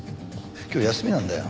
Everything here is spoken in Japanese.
今日休みなんだよ。